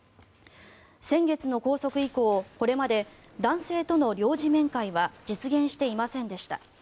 先月の拘束以降これまで男性との領事面会は実現していませんでした。